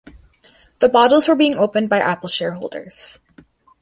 The bottles were being opened by Apple shareholders.